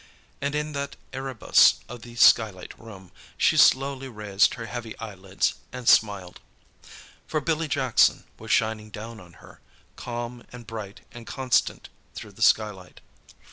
And in that Erebus of the skylight room, she slowly raised her heavy eyelids, and smiled. For Billy Jackson was shining down on her, calm and bright and constant through the skylight.